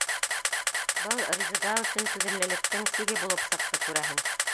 Был Резеда өсөн түҙемлелектең сиге булып сыҡты, күрәһең.